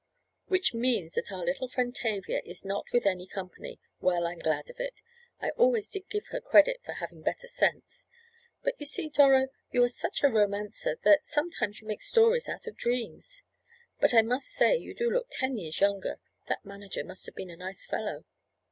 "Which means that our little friend Tavia is not with any company. Well, I'm glad of it. I always did give her credit for having better sense. But you see, Doro, you are such a romancer that you sometimes make stories out of dreams. But I must say you do look ten years younger. That manager must have been a nice fellow."